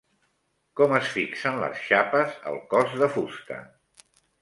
Com es fixen les xapes al cos de fusta?